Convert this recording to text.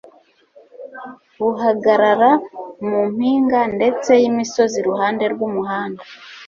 buhagarara mu mpinga ndende y'imisozi iruhande rw'umuhanda